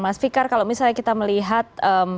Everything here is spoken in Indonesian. mas fikar kalau misalnya kita melihat